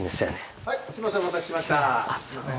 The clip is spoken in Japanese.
すいません。